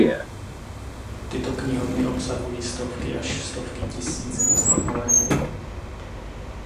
Tyto knihovny obsahují stovky až stovky tisíc různých molekul.